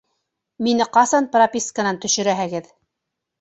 Мине ҡасан прописканан төшөрәһегеҙ?